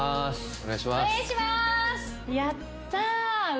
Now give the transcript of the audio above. お願いします。